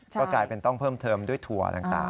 ก็กลายเป็นต้องเพิ่มเทิมด้วยถั่วต่าง